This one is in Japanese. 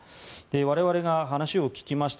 我々が話を聞きました